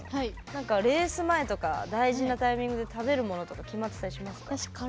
何かレース前とか大事なタイミングで食べるものとか決まってたりしますか？